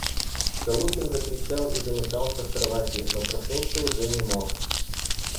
Калугин закричал и заметался в кровати, но проснуться уже не мог.